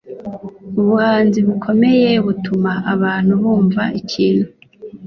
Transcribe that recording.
ubuhanzi bukomeye butuma abantu bumva ikintu